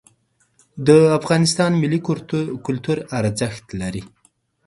د افغانستان ملي کلتور ارزښت لري.